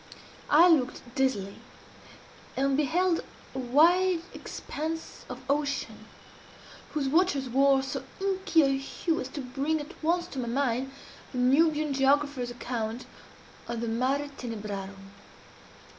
I looked dizzily, and beheld a wide expanse of ocean, whose waters wore so inky a hue as to bring at once to my mind the Nubian geographer's account of the Mare Tenebrarum.